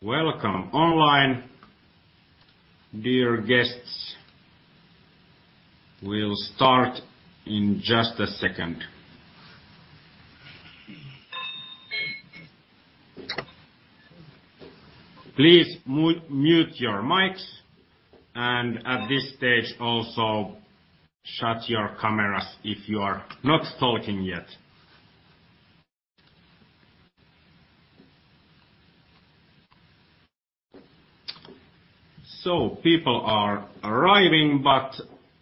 Welcome online, dear guests. We'll start in just a second. Please mute your mics, and at this stage, also shut your cameras if you are not talking yet. People are arriving, but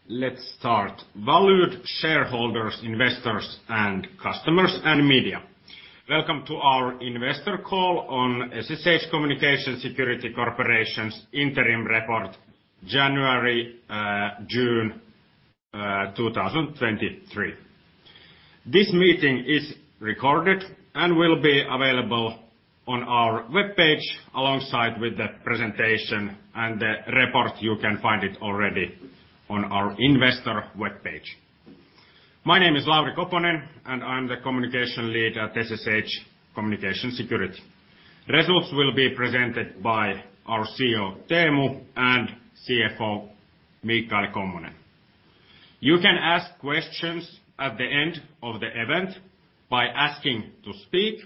let's start. Valued shareholders, investors, and customers, and media, welcome to our investor call on SSH Communications Security Corporation's interim report, January-June 2023. This meeting is recorded and will be available on our webpage alongside with the presentation and the report. You can find it already on our investor webpage. My name is Lauri Koponen, and I'm the Communications Lead at SSH Communications Security. Results will be presented by our CEO, Teemu, and CFO, Michael Kommonen. You can ask questions at the end of the event by asking to speak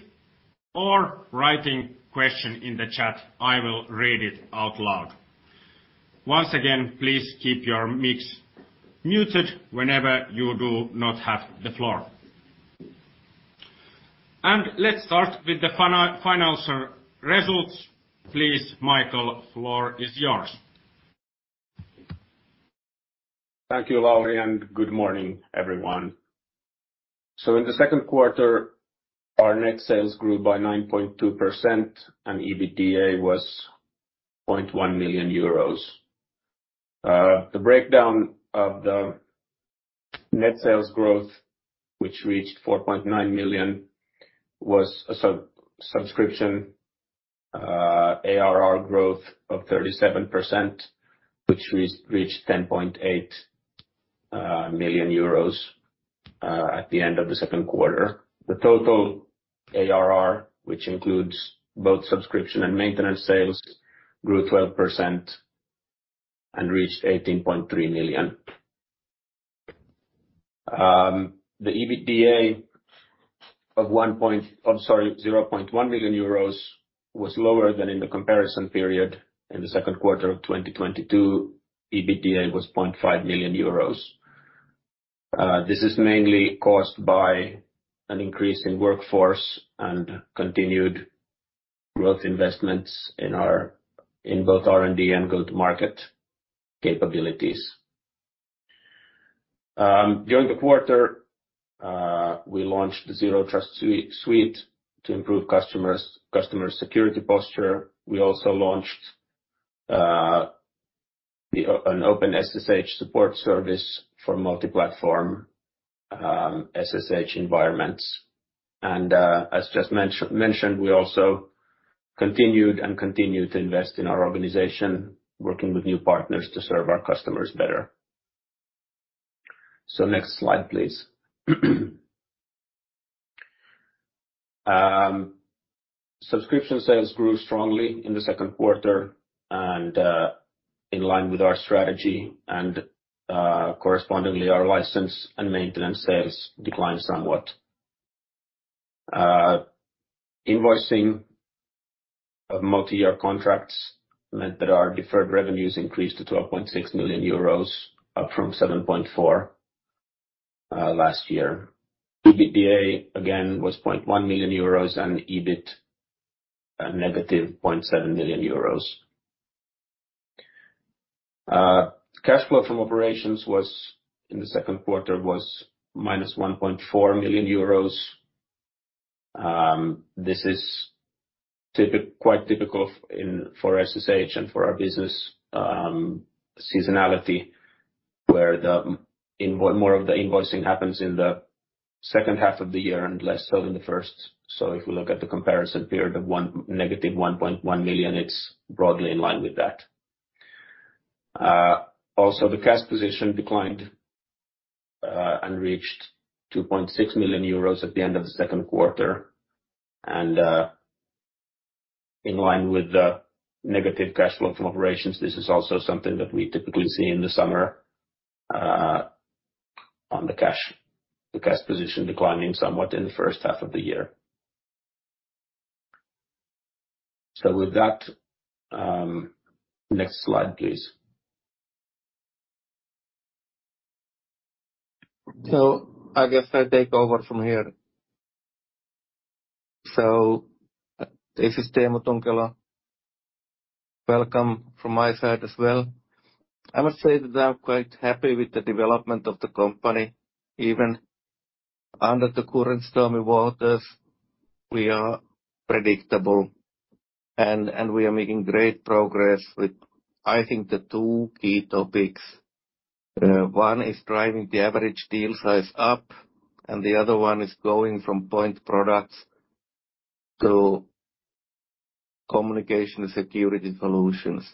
or writing question in the chat. I will read it out loud. Once again, please keep your mics muted whenever you do not have the floor. Let's start with the financial results. Please, Michael, floor is yours. Thank you, Lauri, and good morning, everyone. In the second quarter, our net sales grew by 9.2%, and EBITDA was 0.1 million euros. The breakdown of the net sales growth, which reached 4.9 million EUR, was subscription, ARR growth of 37%, which reached 10.8 million euros at the end of the second quarter. The total ARR, which includes both subscription and maintenance sales, grew 12% and reached 18.3 million EUR. The EBITDA of 0.1 million euros was lower than in the comparison period in the second quarter of 2022, EBITDA was 0.5 million euros. This is mainly caused by an increase in workforce and continued growth investments in both R&D and go-to-market capabilities. During the quarter, we launched the Zero Trust Suite to improve customer security posture. We also launched an OpenSSH support service for multi-platform SSH environments. As just mentioned, we also continued and continue to invest in our organization, working with new partners to serve our customers better. Next slide, please. Subscription sales grew strongly in the second quarter, and in line with our strategy and correspondingly, our license and maintenance sales declined somewhat. Invoicing of multiyear contracts meant that our deferred revenues increased to 12.6 million euros, up from 7.4 last year. EBITDA, again, was 0.1 million euros, and EBIT, a -0.7 million euros. Cash flow from operations in the second quarter was -1.4 million euros. This is quite typical for SSH and for our business, seasonality, where more of the invoicing happens in the second half of the year and less so in the first. If we look at the comparison period of 1, -1.1 million, it's broadly in line with that. Also, the cash position declined and reached 2.6 million euros at the end of the second quarter. In line with the negative cash flow from operations, this is also something that we typically see in the summer, on the cash, the cash position declining somewhat in the first half of the year. With that, next slide, please. I guess I'll take over from here. This is Teemu Tunkelo. Welcome from my side as well. I must say that I'm quite happy with the development of the company. Even under the current stormy waters, we are predictable, and we are making great progress with, I think, the two key topics. One is driving the average deal size up, and the other one is going from point products to...... communication security solutions.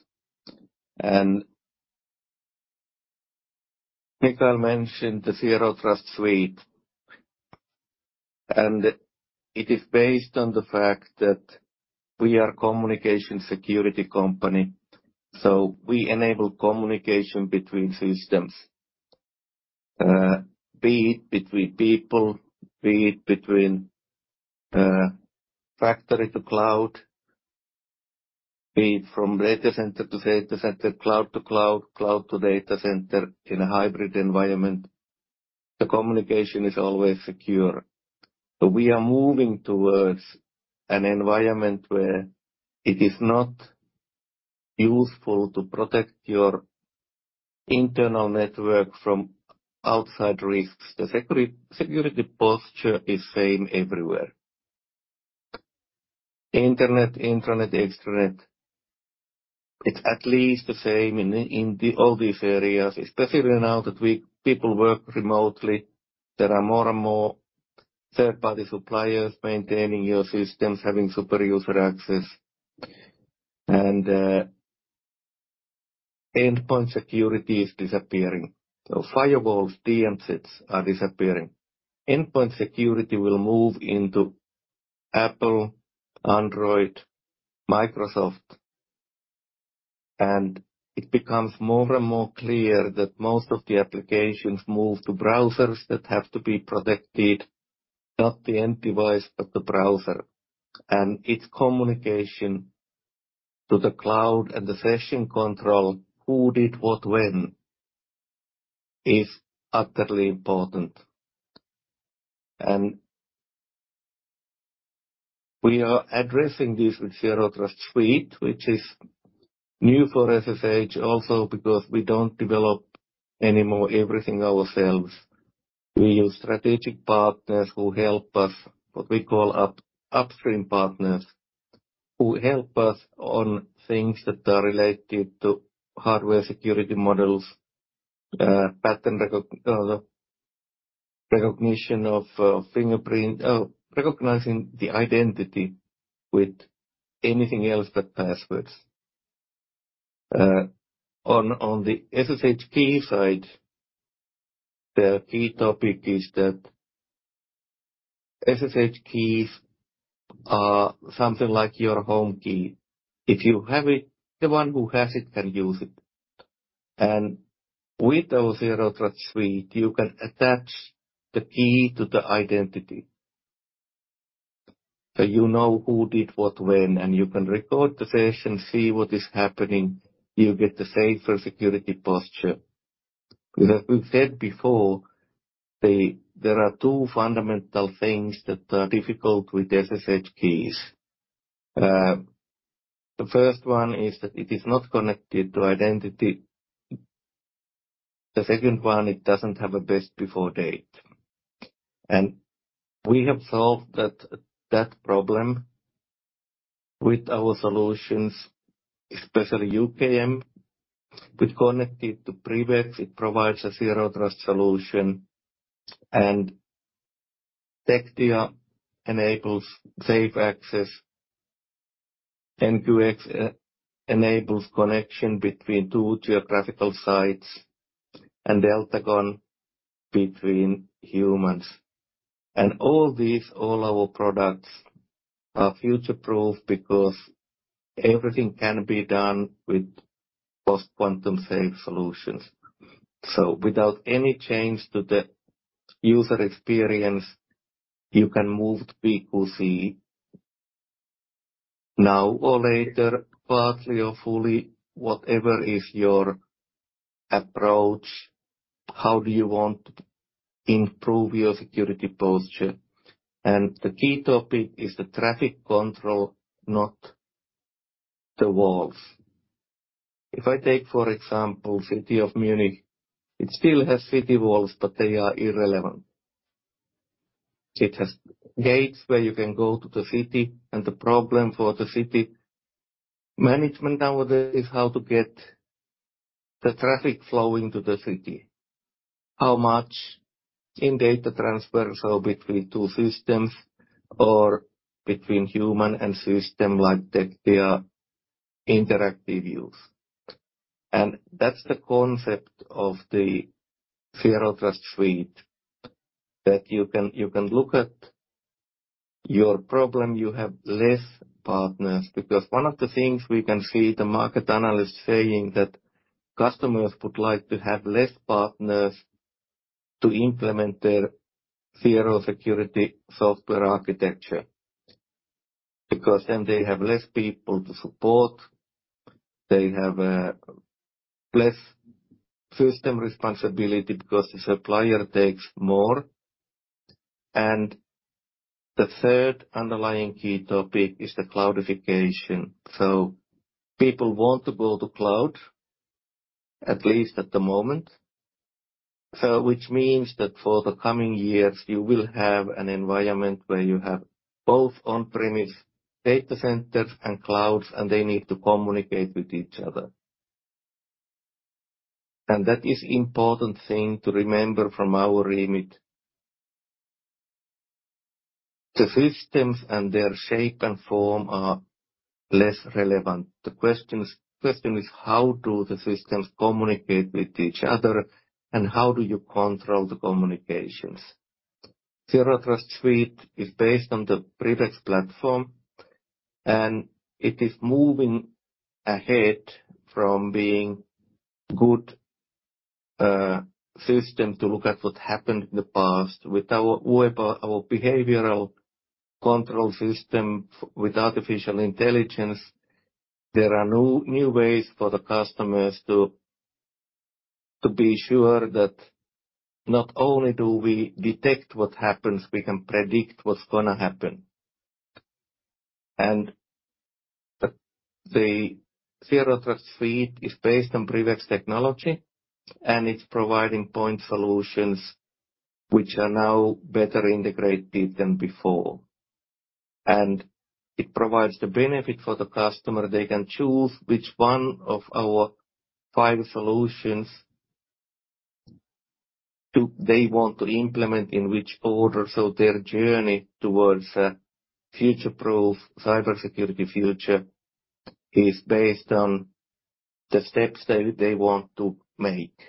Michael mentioned the Zero Trust Suite, and it is based on the fact that we are communication security company, so we enable communication between systems, be it between people, be it between factory to cloud, be it from data center-to-data center, cloud-to-cloud, cloud-to-data center in a hybrid environment, the communication is always secure. We are moving towards an environment where it is not useful to protect your internal network from outside risks. The security posture is same everywhere. Internet, intranet, extranet, it's at least the same in the all these areas, especially now that people work remotely, there are more and more third-party suppliers maintaining your systems, having super user access, and endpoint security is disappearing. Firewalls, DMZs are disappearing. Endpoint security will move into Apple, Android, Microsoft, and it becomes more and more clear that most of the applications move to browsers that have to be protected, not the end device, but the browser. Its communication to the cloud and the session control, who did what when, is utterly important. We are addressing this with Zero Trust Suite, which is new for SSH, also because we don't develop anymore everything ourselves. We use strategic partners who help us, what we call upstream partners, who help us on things that are related to hardware security models, pattern recognition of fingerprint, recognizing the identity with anything else but passwords. On the SSH key side, the key topic is that SSH keys are something like your home key. If you have it, the one who has it can use it. With our Zero Trust Suite, you can attach the key to the identity. You know who did what, when, and you can record the session, see what is happening. You get the safer security posture. As we've said before, there are two fundamental things that are difficult with SSH keys. The first one is that it is not connected to identity. The second one, it doesn't have a best before date. We have solved that problem with our solutions, especially UKM, which connected to PrivX, it provides a Zero Trust solution, and Tectia enables safe access. NQX enables connection between two geographical sites, and Deltagon between humans. All our products are future-proof because everything can be done with post-quantum safe solutions. Without any change to the user experience, you can move to PQC now or later, partly or fully, whatever is your approach, how do you want to improve your security posture? The key topic is the traffic control, not the walls. If I take, for example, city of Munich, it still has city walls, but they are irrelevant. It has gates where you can go to the city, and the problem for the city management nowadays, is how to get the traffic flowing to the city. How much in data transfer, so between two systems or between human and system, like Tectia interactive use. That's the concept of the Zero Trust Suite, that you can look at your problem, you have less partners, because one of the things we can see the market analysts saying that customers would like to have less partners to implement their zero security software architecture. Then they have less people to support, they have less system responsibility because the supplier takes more. The third underlying key topic is the cloudification. People want to go to cloud, at least at the moment. Which means that for the coming years, you will have an environment where you have both on-premise data centers and clouds, and they need to communicate with each other. That is important thing to remember from our remit. The systems and their shape and form are less relevant. The question is, how do the systems communicate with each other, and how do you control the communications? Zero Trust Suite is based on the PrivX platform, and it is moving ahead from being good system to look at what happened in the past. With our web, our behavioral control system, with artificial intelligence, there are new ways for the customers to be sure that not only do we detect what happens, we can predict what's gonna happen. The Zero Trust Suite is based on PrivX technology, and it's providing point solutions which are now better integrated than before. It provides the benefit for the customer. They can choose which one of our five solutions do they want to implement, in which order, so their journey towards future-proof cybersecurity future, is based on the steps they want to make.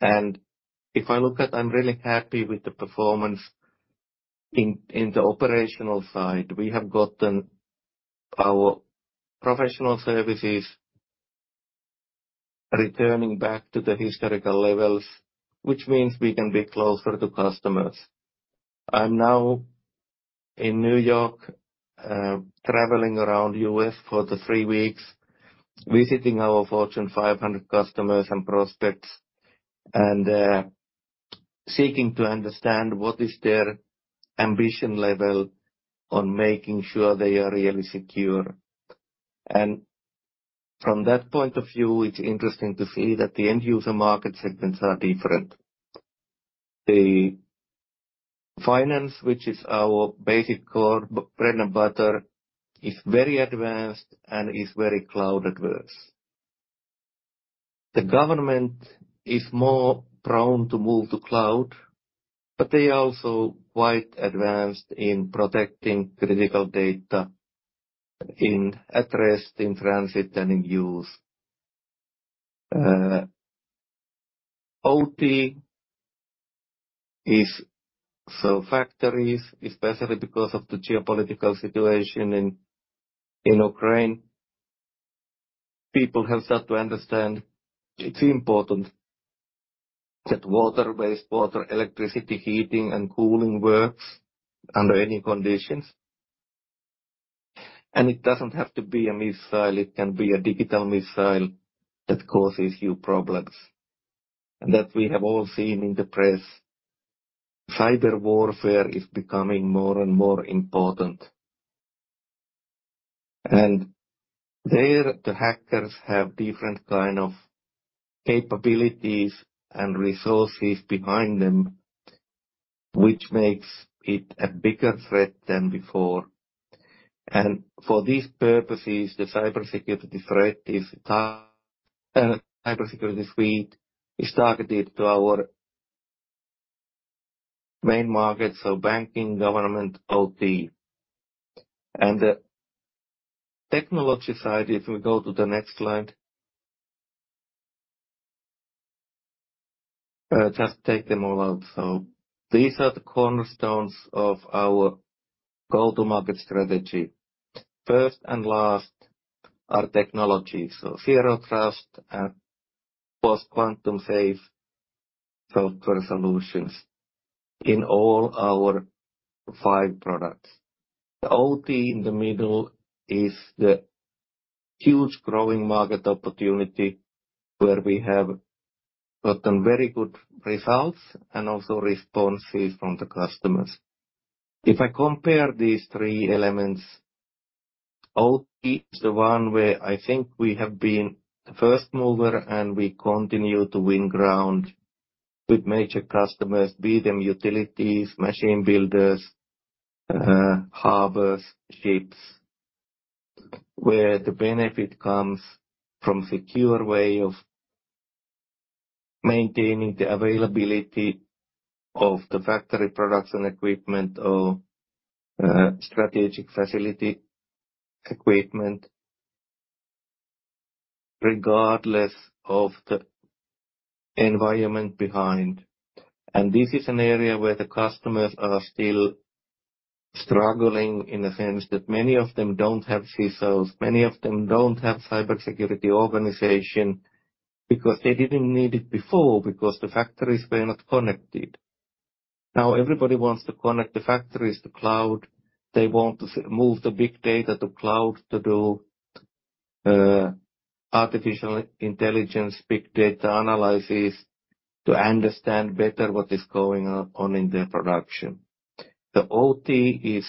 If I look at I'm really happy with the performance in the operational side. We have gotten our professional services returning back to the historical levels, which means we can be closer to customers. I'm now in New York, traveling around U.S. for three weeks, visiting our Fortune 500 customers and prospects, seeking to understand what is their ambition level on making sure they are really secure. From that point of view, it's interesting to see that the end user market segments are different. The finance, which is our basic core, bread and butter, is very advanced and is very cloud adverse. The government is more prone to move to cloud, but they are also quite advanced in protecting critical data, in at rest, in transit, and in use. OT is... Factories, especially because of the geopolitical situation in Ukraine, people have start to understand it's important that water, wastewater, electricity, heating, and cooling works under any conditions. It doesn't have to be a missile, it can be a digital missile that causes you problems. That we have all seen in the press. Cyber warfare is becoming more and more important. There, the hackers have different kind of capabilities and resources behind them, which makes it a bigger threat than before. For these purposes, the cybersecurity suite is targeted to our main market, so banking, government, OT. The technology side, if we go to the next slide. Just take them all out. These are the cornerstones of our go-to-market strategy. First and last, are technology, so Zero Trust and post-quantum safe software solutions in all our five products. The OT in the middle is the huge growing market opportunity, where we have gotten very good results and also responses from the customers. If I compare these three elements, OT is the one where I think we have been the first mover, and we continue to win ground with major customers, be them utilities, machine builders, harbours, ships, where the benefit comes from secure way of maintaining the availability of the factory production equipment or strategic facility equipment, regardless of the environment behind. This is an area where the customers are still struggling, in a sense that many of them don't have CISOs, many of them don't have cybersecurity organization, because they didn't need it before, because the factories were not connected. Everybody wants to connect the factories to cloud. They want to move the big data to cloud to do artificial intelligence, big data analysis, to understand better what is going on in their production. The OT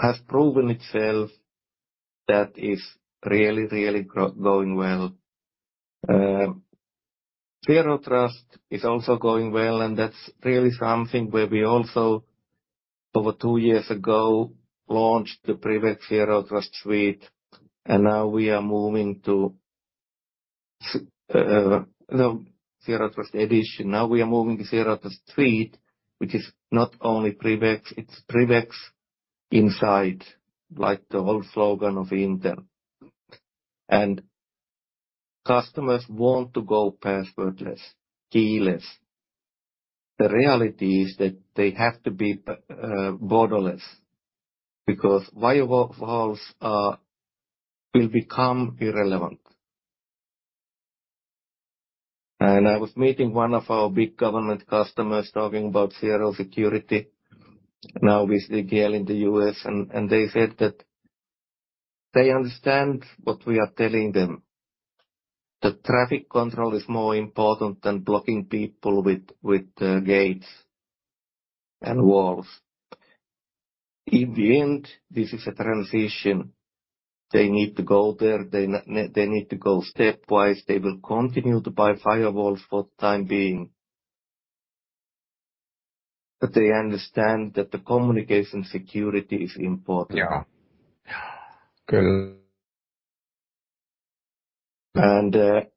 has proven itself that is really, really going well. Zero Trust is also going well, and that's really something where we also over two years ago, launched the PrivX Zero Trust Suite, and now we are moving to no zero trust edition. Now we are moving to Zero Trust Suite, which is not only PrivX, it's PrivX inside, like the old slogan of Intel. Customers want to go passwordless, keyless. The reality is that they have to be borderless, because firewalls will become irrelevant. I was meeting one of our big government customers talking about Zero security now with the GL in the U.S., and they said that they understand what we are telling them, that traffic control is more important than blocking people with the gates and walls. In the end, this is a transition. They need to go there, they need to go stepwise. They will continue to buy firewalls for the time being. They understand that the communication security is important. Yeah, good. In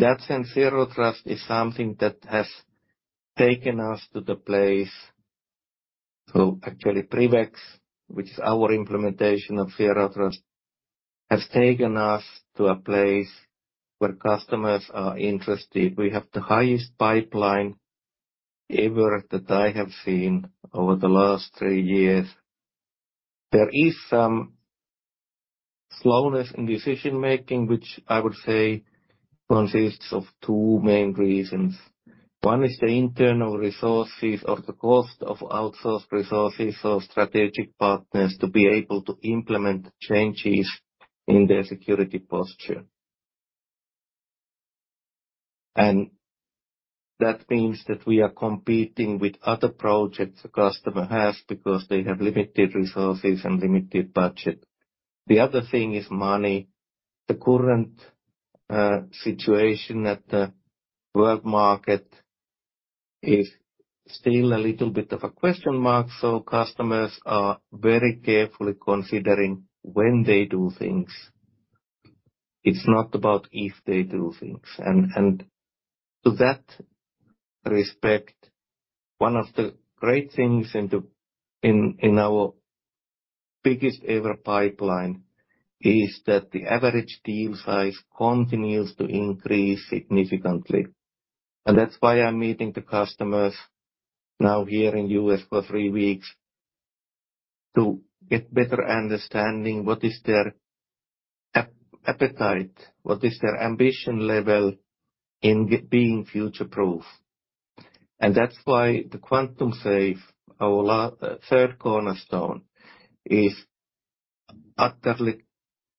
that sense, Zero Trust is something that has taken us to the place. PrivX, which is our implementation of Zero Trust, has taken us to a place where customers are interested. We have the highest pipeline ever that I have seen over the last three years. There is some slowness in decision-making, which I would say consists of two main reasons. One is the internal resources or the cost of outsourced resources or strategic partners to be able to implement changes in their security posture. That means that we are competing with other projects the customer has because they have limited resources and limited budget. The other thing is money. The current situation at the world market is still a little bit of a question mark, so customers are very carefully considering when they do things. It's not about if they do things. To that respect, one of the great things in our biggest ever pipeline is that the average deal size continues to increase significantly. That's why I'm meeting the customers now here in U.S. for three weeks, to get better understanding what is their appetite, what is their ambition level in being future-proof. That's why the Quantum-Safe, our third cornerstone, is utterly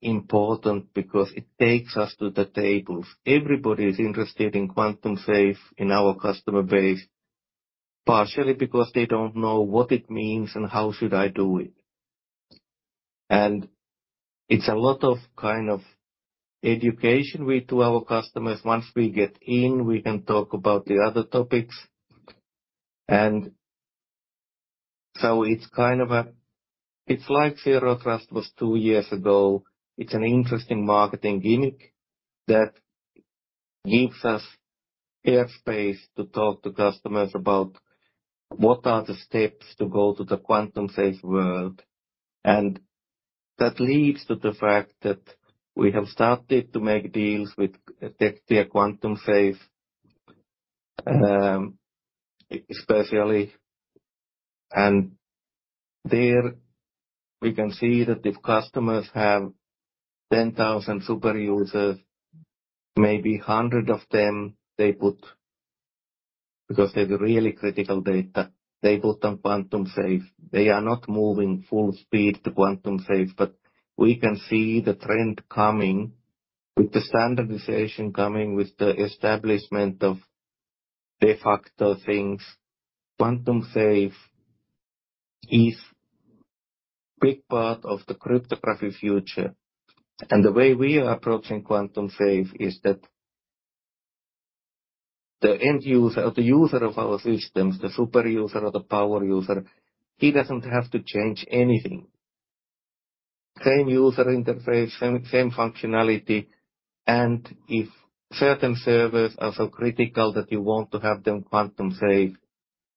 important because it takes us to the tables. Everybody is interested in Quantum-Safe in our customer base, partially because they don't know what it means and how should I do it. It's a lot of education we do to our customers. Once we get in, we can talk about the other topics. It's like Zero Trust was two years ago. It's an interesting marketing gimmick that gives us airspace to talk to customers about what are the steps to go to the Quantum-Safe world. That leads to the fact that we have started to make deals with Tectia Quantum-Safe, especially. There we can see that if customers have 10,000 super users, maybe 100 of them, they put because they have really critical data, they put on Quantum-Safe. They are not moving full speed to Quantum-Safe, but we can see the trend coming. With the standardization coming, with the establishment of de facto things, Quantum-Safe is big part of the cryptography future. The way we are approaching Quantum-Safe is that the end user or the user of our systems, the super user or the power user, he doesn't have to change anything. Same user interface, same functionality. If certain servers are so critical that you want to have them Quantum-Safe,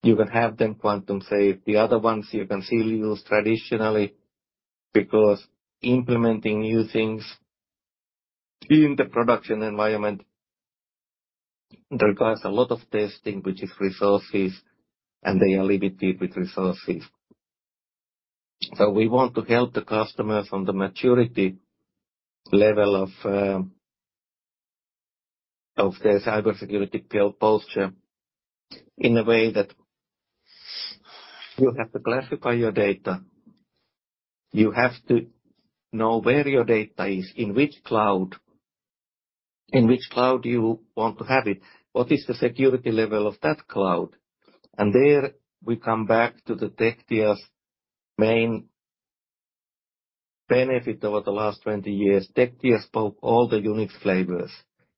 you can have them Quantum-Safe. The other ones you can still use traditionally, because implementing new things in the production environment requires a lot of testing, which is resources, and they are limited with resources. We want to help the customer from the maturity level of their cybersecurity posture in a way that you have to classify your data. You have to know where your data is, in which cloud, in which cloud you want to have it, what is the security level of that cloud? There we come back to the Tectia's benefit over the last 20 years, Tectia spoke all the Unix flavors.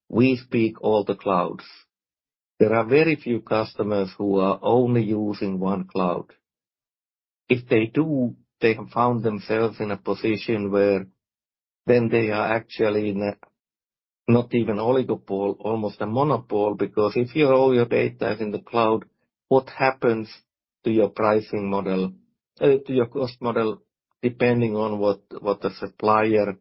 We speak all the clouds. There are very few customers who are only using one cloud. If they do, they have found themselves in a position where then they are actually in a not even oligopoly, almost a monopoly, because if you're all your data is in the cloud, what happens to your pricing model, to your cost model, depending on what the supplier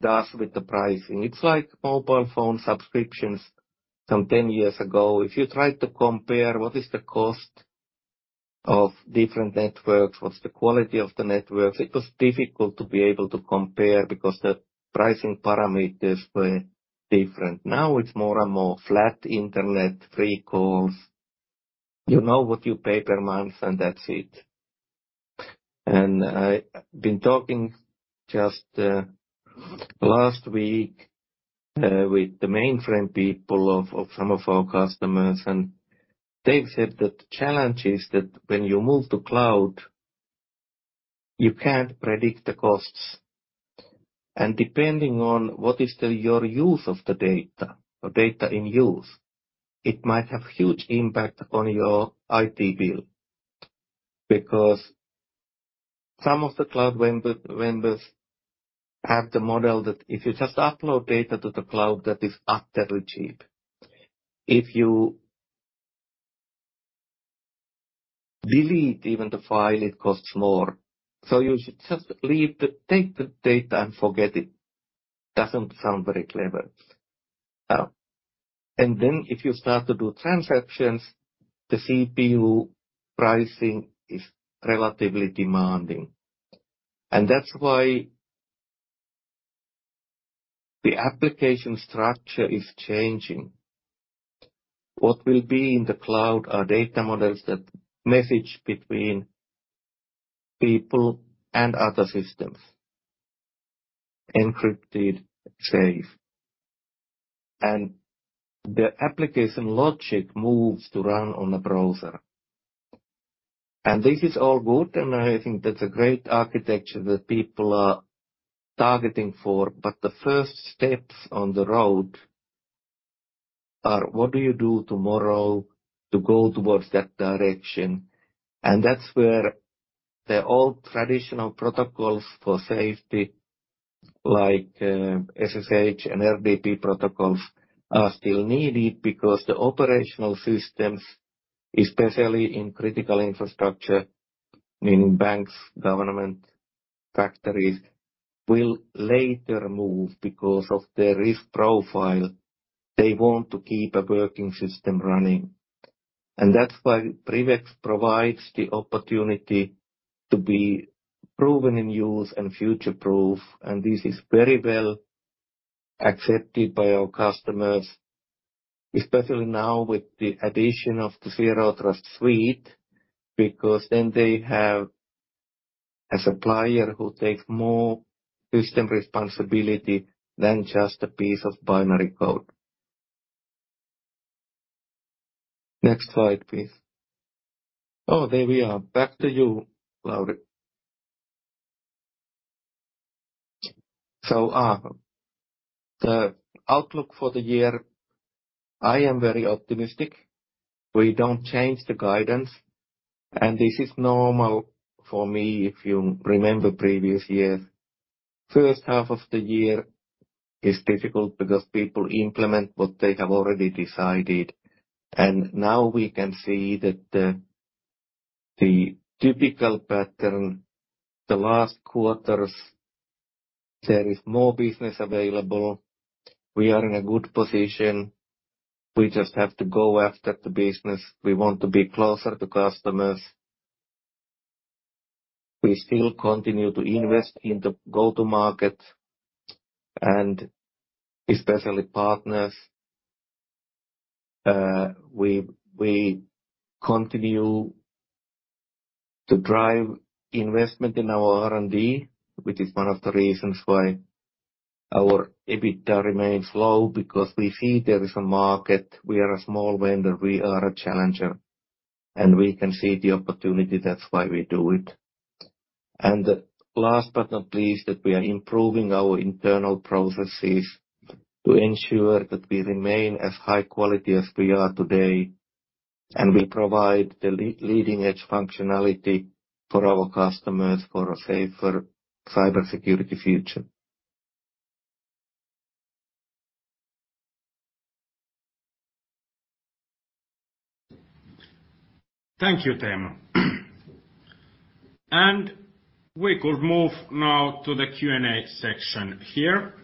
does with the pricing? It's like mobile phone subscriptions some 10 years ago. If you tried to compare what is the cost of different networks, what's the quality of the networks, it was difficult to be able to compare because the pricing parameters were different. Now, it's more and more flat internet, free calls, you know what you pay per month, and that's it. I been talking just last week with the mainframe people of some of our customers, and they said that the challenge is that when you move to cloud, you can't predict the costs. Depending on what is the your use of the data or data in use, it might have huge impact on your IT bill. Some of the cloud vendors have the model that if you just upload data to the cloud, that is utterly cheap. If you delete even the file, it costs more, so you should just take the data and forget it. Doesn't sound very clever. If you start to do transactions, the CPU pricing is relatively demanding. That's why the application structure is changing. What will be in the cloud are data models that message between people and other systems, encrypted, safe. The application logic moves to run on a browser. This is all good, and I think that's a great architecture that people are targeting for. The first steps on the road are, what do you do tomorrow to go towards that direction? That's where the old traditional protocols for safety, like SSH and RDP protocols, are still needed because the operational systems, especially in critical infrastructure, meaning banks, government, factories, will later move because of their risk profile. They want to keep a working system running. That's why PrivX provides the opportunity to be proven in use and future-proof, and this is very well accepted by our customers, especially now with the addition of the Zero Trust Suite, because then they have a supplier who takes more system responsibility than just a piece of binary code. Next slide, please. There we are. Back to you, Lauri. The outlook for the year, I am very optimistic. We don't change the guidance, and this is normal for me, if you remember previous years. First half of the year is difficult because people implement what they have already decided, and now we can see that the typical pattern, the last quarters, there is more business available. We are in a good position. We just have to go after the business. We want to be closer to customers. We still continue to invest in the go-to market, and especially partners. We continue to drive investment in our R&D, which is one of the reasons why our EBITDA remains low, because we see there is a market. We are a small vendor, we are a challenger, and we can see the opportunity. That's why we do it. Last but not least, that we are improving our internal processes to ensure that we remain as high quality as we are today, and we provide the leading-edge functionality for our customers for a safer cybersecurity future. Thank you, Teemu. We could move now to the Q&A section here.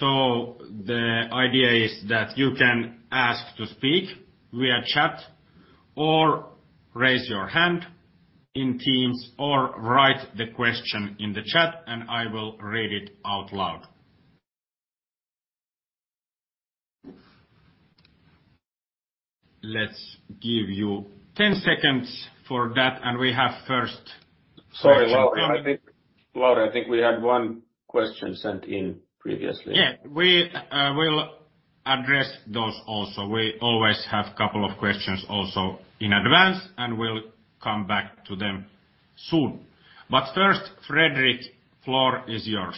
The idea is that you can ask to speak via chat, or raise your hand in Teams, or write the question in the chat, and I will read it out loud. Let's give you 10 seconds for that. We have first- Sorry, Lauri, I think we had one question sent in previously. Yeah, we address those also. We always have couple of questions also in advance. We'll come back to them soon. First, Fredrik, floor is yours.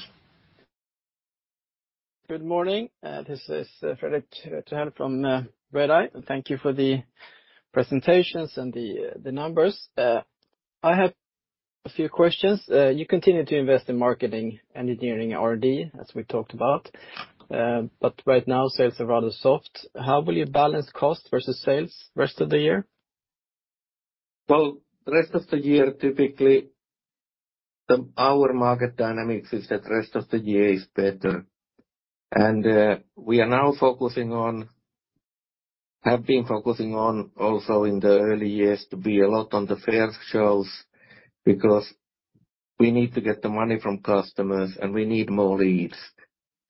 Good morning. This is Fredrik Reuterhäll from Redeye, thank you for the presentations and the numbers. I have a few questions. You continue to invest in marketing, engineering, R&D, as we talked about, right now, sales are rather soft. How will you balance cost versus sales rest of the year? Well, rest of the year, typically, our market dynamics is that rest of the year is better. We are now focusing on have been focusing on, also in the early years, to be a lot on the fair shows, because we need to get the money from customers, and we need more leads.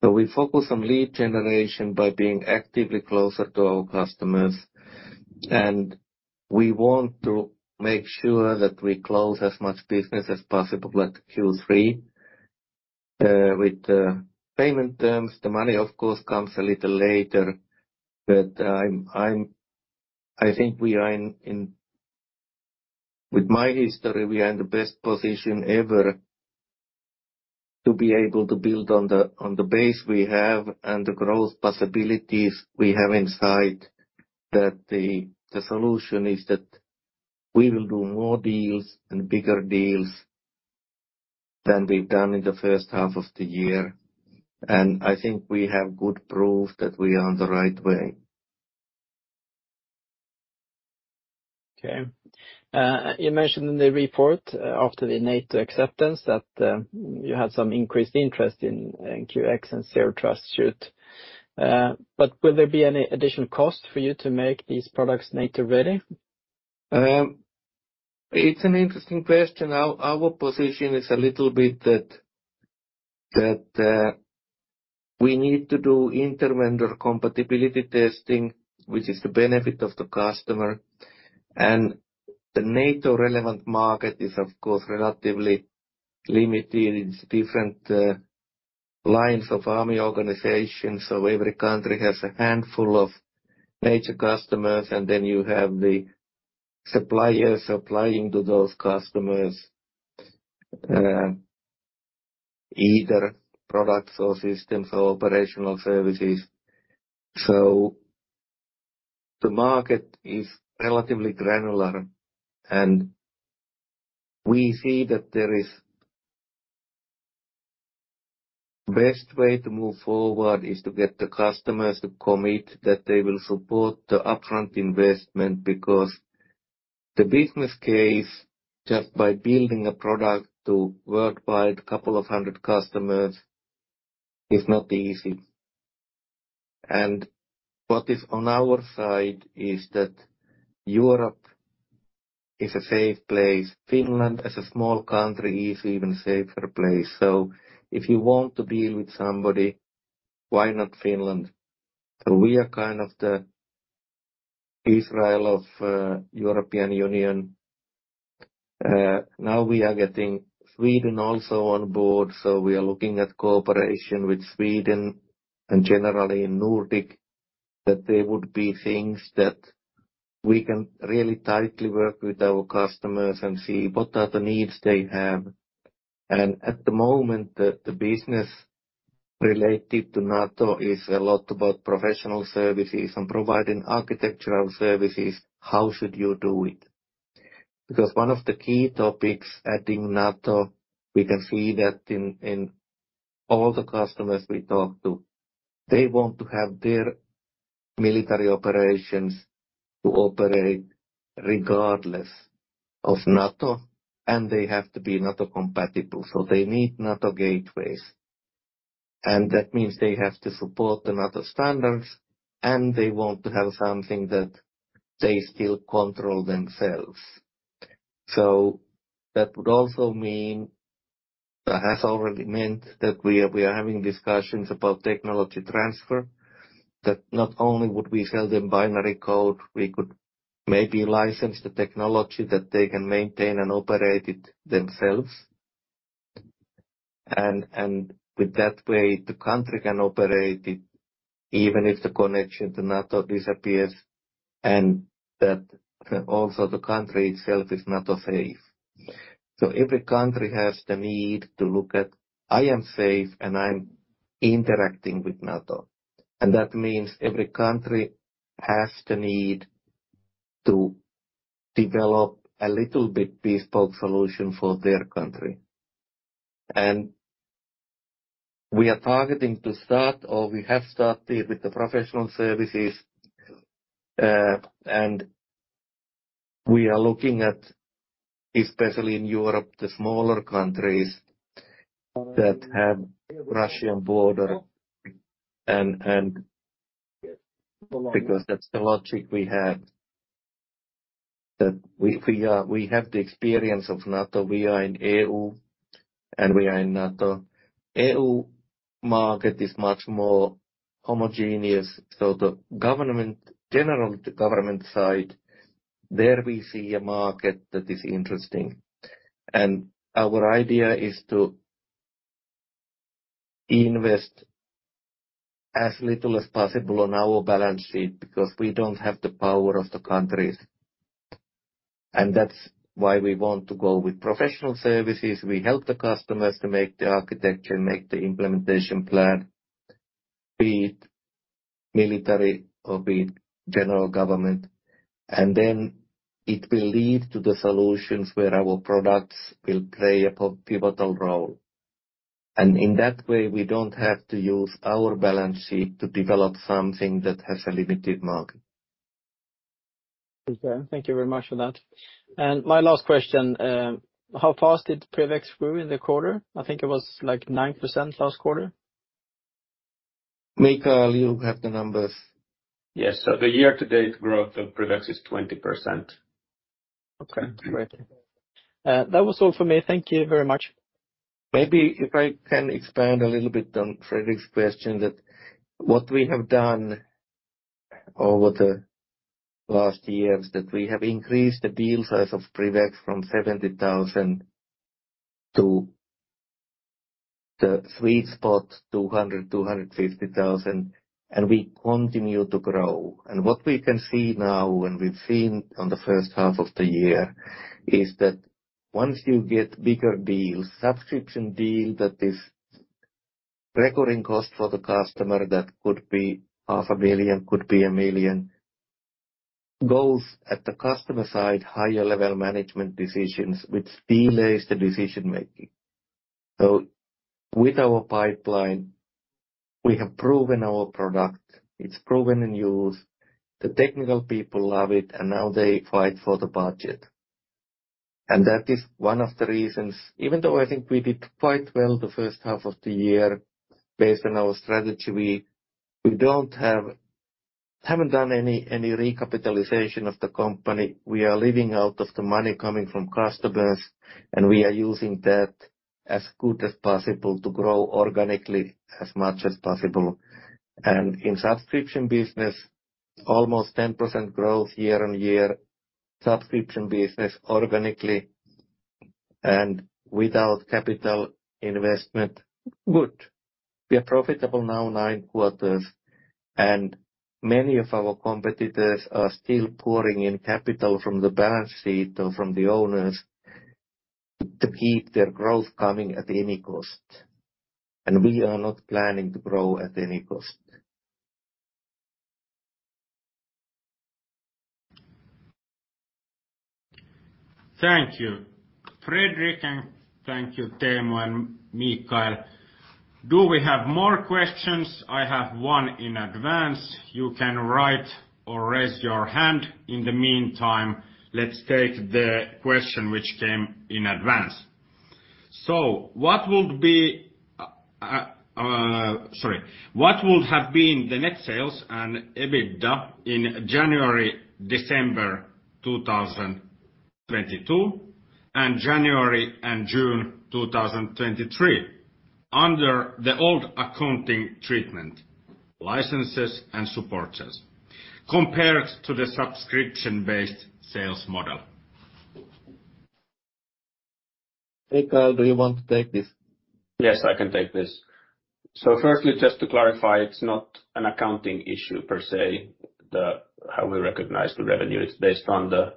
We focus on lead generation by being actively closer to our customers, and we want to make sure that we close as much business as possible at Q3 with the payment terms. The money, of course, comes a little later, but I think we are in. With my history, we are in the best position ever to be able to build on the base we have and the growth possibilities we have in sight, that the solution is that we will do more deals and bigger deals than we've done in the first half of the year. I think we have good proof that we are on the right way. Okay. You mentioned in the report, after the NATO acceptance, that you had some increased interest in NQX and Zero Trust Suite. Will there be any additional cost for you to make these products NATO-ready? It's an interesting question. Our position is a little bit that we need to do inter-vendor compatibility testing, which is the benefit of the customer. The NATO-relevant market is, of course, relatively limited in its different lines of army organization. Every country has a handful of major customers, and then you have the suppliers supplying to those customers, either products or systems or operational services. The market is relatively granular, and we see that the best way to move forward is to get the customers to commit that they will support the upfront investment, because the business case, just by building a product to worldwide, couple of hundred customers, is not easy. What is on our side is that Europe is a safe place. Finland, as a small country, is even safer place. If you want to deal with somebody, why not Finland? We are kind of the Israel of European Union. Now we are getting Sweden also on board, so we are looking at cooperation with Sweden and generally in Nordic, that there would be things that we can really tightly work with our customers and see what are the needs they have. At the moment, the business related to NATO is a lot about professional services and providing architectural services. How should you do it? One of the key topics, adding NATO, we can see that in all the customers we talk to, they want to have their military operations to operate regardless of NATO, and they have to be NATO-compatible, so they need NATO gateways. That means they have to support the NATO standards, and they want to have something that they still control themselves. That would also mean, or has already meant, that we are having discussions about technology transfer, that not only would we sell them binary code, we could maybe license the technology that they can maintain and operate it themselves. With that way, the country can operate it, even if the connection to NATO disappears, That then also the country itself is NATO-safe. Every country has the need to look at, "I am safe, and I'm interacting with NATO." That means every country has the need to develop a little bit bespoke solution for their country. We are targeting to start, or we have started with the professional services, and we are looking at, especially in Europe, the smaller countries that have Russian border, and because that's the logic we have, that we have the experience of NATO. We are in EU, and we are in NATO. EU market is much more homogeneous, so the government, generally, the government side, there we see a market that is interesting. Our idea is to invest as little as possible on our balance sheet because we don't have the power of the countries. That's why we want to go with professional services. We help the customers to make the architecture, make the implementation plan, be it military or be it general government, and then it will lead to the solutions where our products will play a pivotal role. In that way, we don't have to use our balance sheet to develop something that has a limited market. Okay. Thank you very much for that. My last question, how fast did PrivX grew in the quarter? I think it was, like, 9% last quarter. Michael, you have the numbers. Yes. The year-to-date growth of PrivX is 20%. Okay, great. That was all for me. Thank you very much. Maybe if I can expand a little bit on Fredrik's question, that what we have done over the last years, that we have increased the deal size of PrivX from 70,000 to the sweet spot, 200,000-250,000, and we continue to grow. What we can see now, and we've seen on the first half of the year, is that once you get bigger deals, subscription deal, that is recurring cost for the customer, that could be half a million, could be 1 million, goes at the customer side, higher level management decisions, which delays the decision-making. With our pipeline, we have proven our product. It's proven in use, the technical people love it, and now they fight for the budget. That is one of the reasons, even though I think we did quite well the first half of the year, based on our strategy, we haven't done any recapitalization of the company. We are living out of the money coming from customers. We are using that as good as possible to grow organically, as much as possible. In subscription business, almost 10% growth year-over-year, subscription business organically and without capital investment. Good. We are profitable now nine quarters, and many of our competitors are still pouring in capital from the balance sheet or from the owners to keep their growth coming at any cost. We are not planning to grow at any cost. Thank you, Fredrik, and thank you, Teemu and Michael. Do we have more questions? I have one in advance. You can write or raise your hand. In the meantime, let's take the question which came in advance. What would be, sorry. What would have been the net sales and EBITDA in January, December 2022, and January and June 2023, under the old accounting treatment, licenses and supporters, compared to the subscription-based sales model? Michael, do you want to take this? Yes, I can take this. Firstly, just to clarify, it's not an accounting issue per se, how we recognize the revenue. It's based on the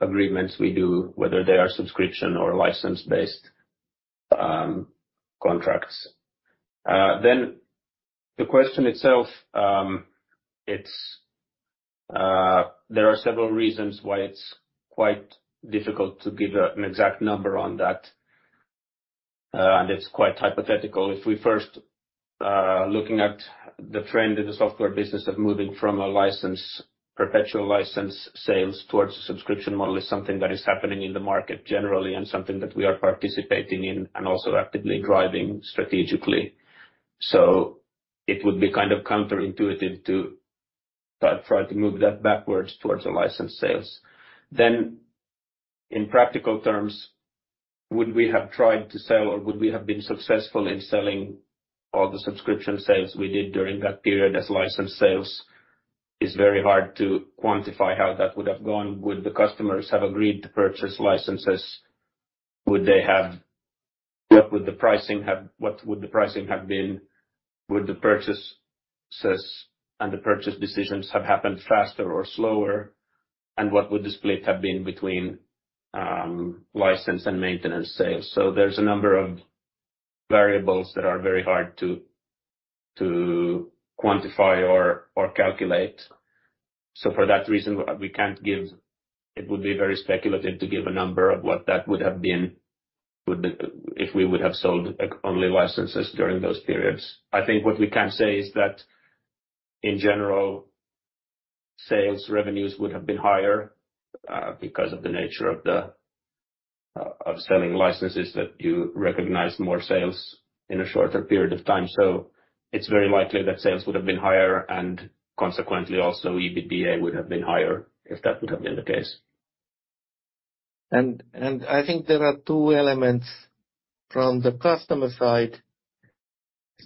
agreements we do, whether they are subscription or license-based contracts. Then the question itself, there are several reasons why it's quite difficult to give an exact number on that, and it's quite hypothetical. If we first, looking at the trend in the software business of moving from a license, perpetual license sales towards a subscription model is something that is happening in the market generally, and something that we are participating in and also actively driving strategically. It would be kind of counterintuitive to try to move that backwards towards the licensed sales. In practical terms, would we have tried to sell or would we have been successful in selling all the subscription sales we did during that period as licensed sales, is very hard to quantify how that would have gone. Would the customers have agreed to purchase licenses? What would the pricing have been? Would the purchases and the purchase decisions have happened faster or slower? What would the split have been between license and maintenance sales? There's a number of variables that are very hard to quantify or calculate. For that reason, it would be very speculative to give a number of what that would have been, if we would have sold only licenses during those periods. I think what we can say is that, in general, sales revenues would have been higher, because of the nature of the of selling licenses, that you recognize more sales in a shorter period of time. It's very likely that sales would have been higher, and consequently, also, EBITDA would have been higher, if that would have been the case. I think there are two elements from the customer side.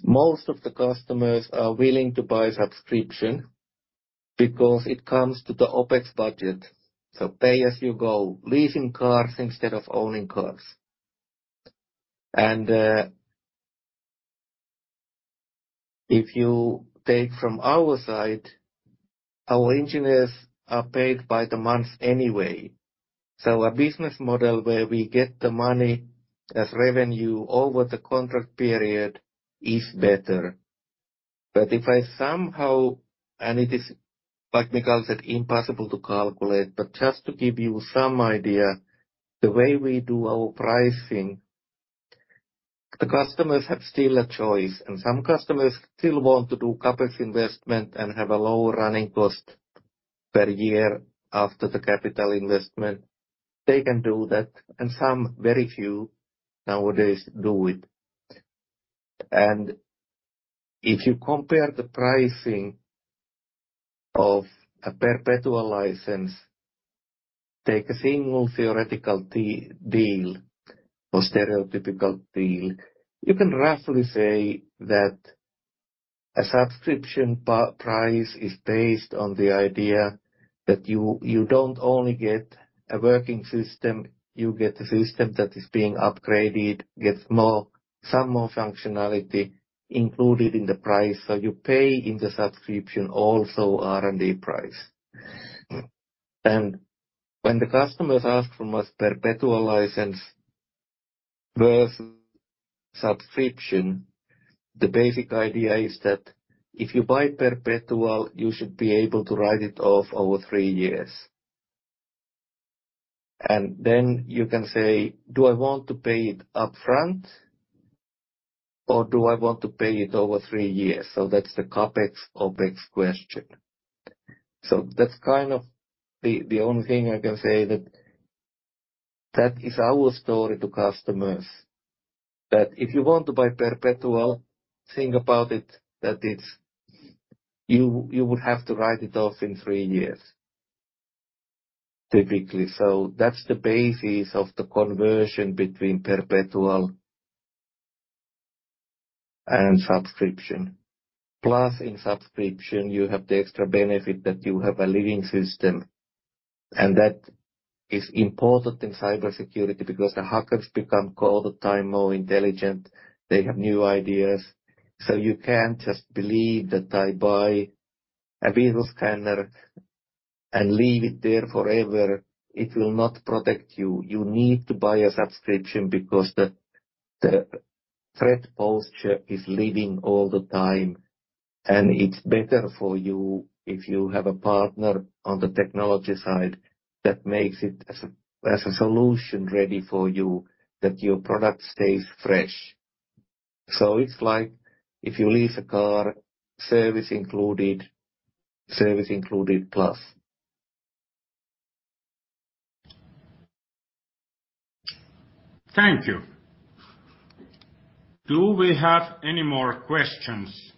Most of the customers are willing to buy subscription because it comes to the OpEx budget. Pay as you go, leasing cars instead of owning cars. If you take from our side, our engineers are paid by the month anyway, a business model where we get the money as revenue over the contract period is better. If I somehow, and it is, like Michael said, impossible to calculate, but just to give you some idea, the way we do our pricing, the customers have still a choice, and some customers still want to do CapEx investment and have a lower running cost per year after the capital investment. They can do that, and some, very few nowadays do it. If you compare the pricing of a perpetual license, take a single theoretical deal or stereotypical deal, you can roughly say that a subscription price is based on the idea that you don't only get a working system, you get a system that is being upgraded, gets some more functionality included in the price. You pay in the subscription also R&D price. When the customers ask from us perpetual license versus subscription, the basic idea is that if you buy perpetual, you should be able to write it off over three years. Then you can say, "Do I want to pay it upfront, or do I want to pay it over three years?" That's the CapEx, OpEx question. That's kind of the only thing I can say that that is our story to customers, that if you want to buy perpetual, think about it, that it's. You would have to write it off in three years, typically. That's the basis of the conversion between perpetual and subscription. Plus, in subscription, you have the extra benefit that you have a living system, and that is important in cybersecurity because the hackers become all the time more intelligent. They have new ideas, so you can't just believe that I buy a virus scanner and leave it there forever. It will not protect you. You need to buy a subscription because the threat posture is living all the time, and it's better for you if you have a partner on the technology side that makes it as a solution ready for you, that your product stays fresh. It's like if you lease a car, service included, service included plus. Thank you. Do we have any more questions?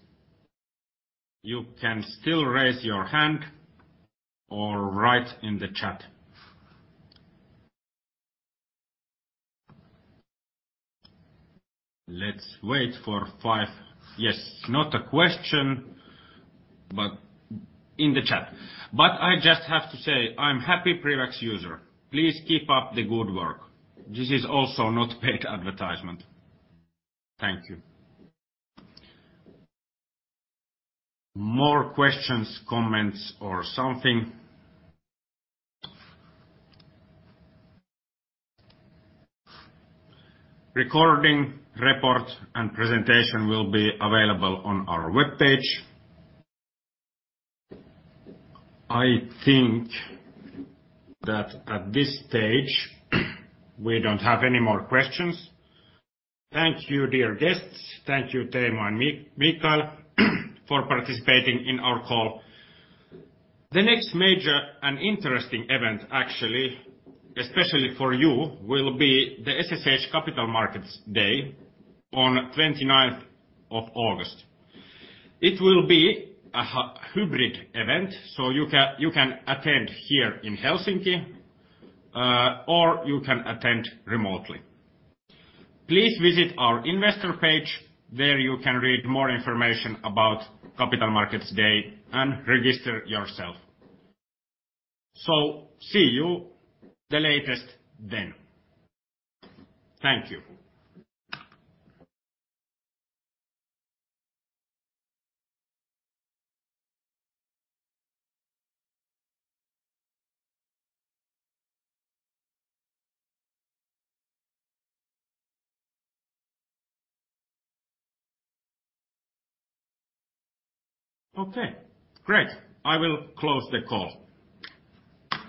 You can still raise your hand or write in the chat. Let's wait for five. Not a question, but in the chat. "I just have to say, I'm happy PrivX user. Please keep up the good work." This is also not paid advertisement. Thank you. More questions, comments, or something? Recording, report, and presentation will be available on our webpage. I think that at this stage, we don't have any more questions. Thank you, dear guests. Thank you, Teemu and Michael, for participating in our call. The next major and interesting event, actually, especially for you, will be the SSH Capital Markets Day on 29th of August. It will be a hybrid event, you can attend here in Helsinki, or you can attend remotely. Please visit our investor page, there you can read more information about Capital Markets Day and register yourself. See you the latest then. Thank you. Great. I will close the call.